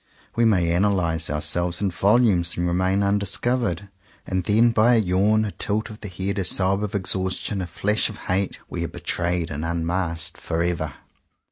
We may analyze ourselves in volumes and remain undiscovered; and then — by a yawn, a tilt of the head, a sob of exhaustion, a flash of hate — we are be trayed and unmasked forever.